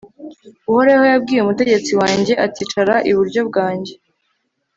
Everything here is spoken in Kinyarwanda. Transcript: uhoraho yabwiye umutegetsi wanjye, ati icara iburyo bwanjye